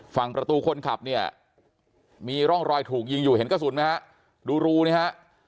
ฝั่งประตูคนขับเนี่ยมีร่องรอยถูกยิงอยู่เห็นกระสุนไหมฮะดูรูนี่ฮะ